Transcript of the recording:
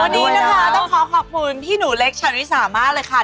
ด้วยนะคะต้องขอขอบคุณพี่หนูเล็กชาวนิสามาธ์เลยค่ะ